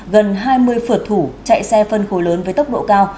gần hai mươi phượt thủ chạy xe phân khối lớn với tốc độ cao